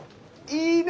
いいね！